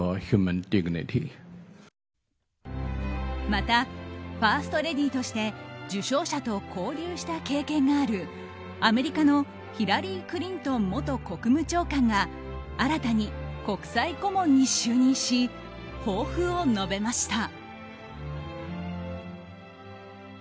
またファーストレディーとして受賞者と交流した経験があるアメリカのヒラリー・クリントン元国務長官が新たに国際顧問に就任し抱負を述べました。